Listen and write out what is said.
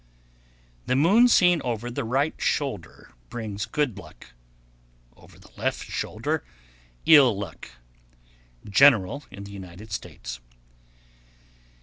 The moon seen over the right shoulder brings good luck; over the left shoulder, ill luck. _General in the United States.